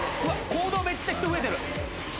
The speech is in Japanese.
講堂めっちゃ人増えてる。